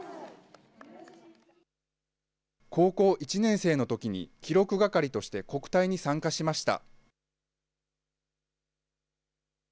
高校１年生のときに記録係として国体に参加しました。